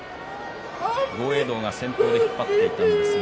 道が先頭で引っ張っていったんですが